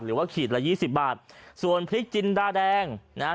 ขีดละยี่สิบบาทส่วนพริกจินดาแดงนะฮะ